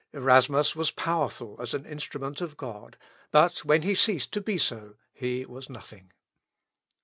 Erasmus was powerful as an instrument of God, but when he ceased to be so, he was nothing.